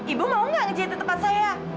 ibu mau nggak ngejahit di tempat saya